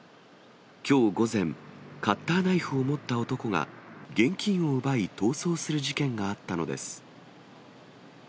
きょう午前、カッターナイフを持った男が現金を奪い逃走する事件があったのです。